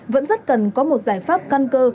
vẫn rất cần có một giải pháp căn cơ